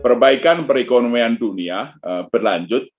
perbaikan perekonomian dunia berlanjut